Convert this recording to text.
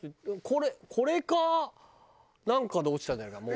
これこれかなんかで落ちたんじゃないかな。